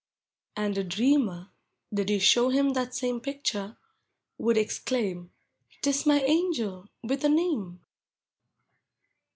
And a dreamer (did you show him That same picture) would exclaim, " T is my angel, with a name!